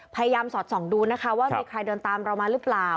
สอดส่องดูนะคะว่ามีใครเดินตามเรามาหรือเปล่า